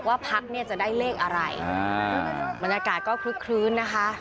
ว่าพักจะได้เลขอะไรบรรยากาศก็คลึ้นนะคะ